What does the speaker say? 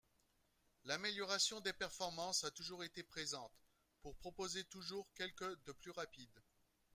L'amélioration des performances a toujours été présente, pour proposer toujours quelques de plus rapides